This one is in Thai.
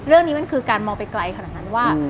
เรื่องนี้มันคือการมองไปไกลขนาดนั้นว่า